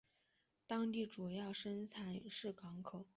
当地的主要产业是港口。